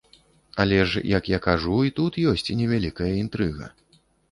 Але ж, як я кажу, і тут ёсць невялікая інтрыга.